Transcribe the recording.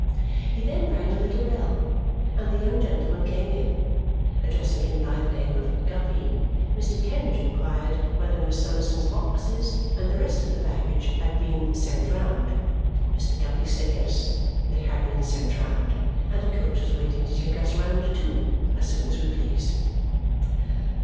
He then rang a little bell, and the young gentleman came in. Addressing him by the name of Guppy, Mr. Kenge inquired whether Miss Summerson's boxes and the rest of the baggage had been "sent round." Mr. Guppy said yes, they had been sent round, and a coach was waiting to take us round too as soon as we pleased.